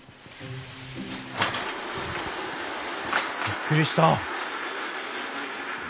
びっくりした。